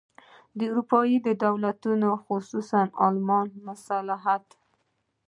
د اروپا د دولتونو او خصوصاً د المان مصلحت.